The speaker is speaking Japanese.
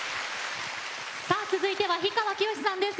続いては氷川きよしさんです。